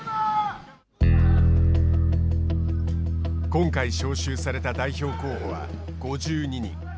今回、招集された代表候補は５２人。